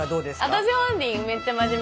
私本人めっちゃ真面目です。